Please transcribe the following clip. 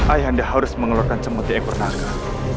ayah anda harus mengeluarkan cemut yang pernahkah